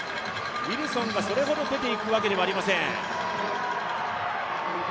ウィルソンがそれほど出ていくわけではありません。